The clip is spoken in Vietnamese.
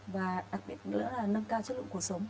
và đặc biệt nữa là nâng cao chất lượng cuộc sống